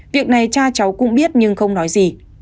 việc này cha cháu cũng biết nhưng không nói gì